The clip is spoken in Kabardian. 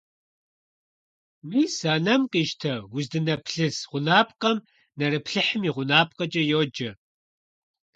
Мис а нэм къищтэ, уздынэплъыс гъунапкъэм нэрыплъыхьым и гъунапкъэкӀэ йоджэ.